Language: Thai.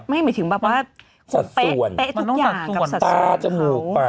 ไม่หมายถึงแบบว่าเป๊ะทุกอย่างกับสัดส่วนเขา